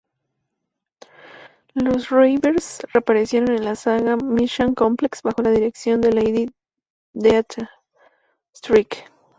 Los Reavers reaparecieron en la saga "Messiah Complex", bajo la dirección de Lady Deathstrike.